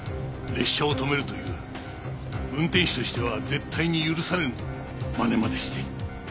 列車を止めるという運転士としては絶対に許されぬまねまでして。